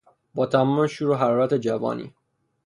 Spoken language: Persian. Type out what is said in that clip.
با تمام شور و حرارت جوانی